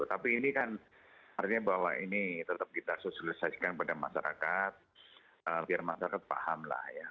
tapi ini kan artinya bahwa ini tetap kita sosialisasikan pada masyarakat biar masyarakat paham lah ya